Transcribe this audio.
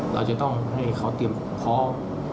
เราจะต้องให้เขาเตรียมพร้อม